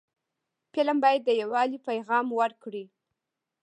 فلم باید د یووالي پیغام ورکړي